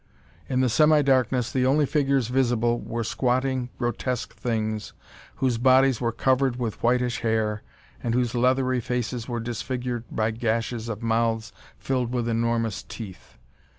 In the semi darkness, the only figures visible there were squatting, grotesque things whose bodies were covered with whitish hair and whose leathery faces were disfigured by gashes of mouths filled with enormous teeth.